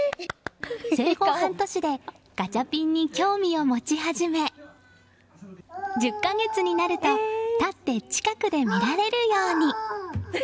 生後半年でガチャピンに興味を持ち始め１０か月になると立って近くで見られるように。